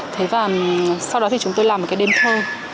thế và sau đó thì chúng tôi làm một cái đêm thơ